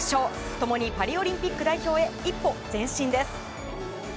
共にパリオリンピック代表へ一歩前進です。